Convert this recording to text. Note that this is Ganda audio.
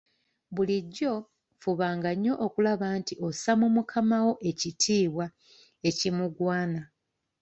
Bulijjo fubanga nnyo okulaba nti ossa mu mukamaawo ekitiibwa ekimugwana.